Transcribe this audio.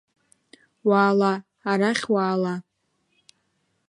Уаала, арахь уаала.